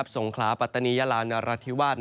สงขลาปัตตานียาลานรัฐธิวาส